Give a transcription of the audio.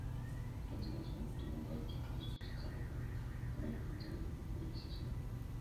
A continuación, tuvo varios puestos de trabajo como el de pintor de pulverización.